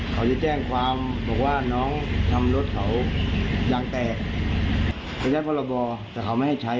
เขาจะแจ้งความบอกว่าน้องทำรถเขายางแตกเขาใช้พรบแต่เขาไม่ให้ใช้